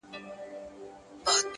د عمل نشتون فرصتونه له منځه وړي.